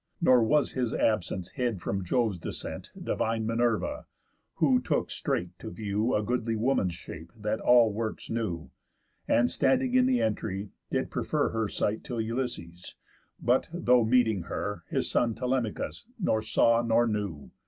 Nor was his absence hid from Jove's descent, Divine Minerva, who took straight to view, A goodly woman's shape that all works knew, And, standing in the entry, did prefer Her sight t' Ulysses; but, though meeting her, His son Telemachus nor saw nor knew.